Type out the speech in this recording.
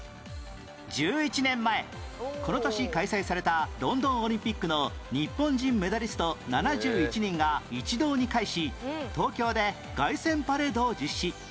１１年前この年開催されたロンドンオリンピックの日本人メダリスト７１人が一堂に会し東京で凱旋パレードを実施